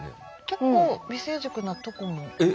結構未成熟なとこも。え？